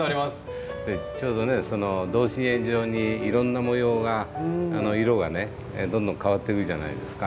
ちょうどねその同心円状にいろんな模様が色がねどんどん変わっていくじゃないですか。